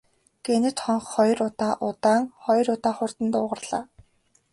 Гэнэт хонх хоёр удаа удаан, хоёр удаа хурдан дуугарлаа.